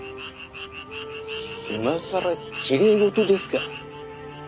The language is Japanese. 今さらきれい事ですか？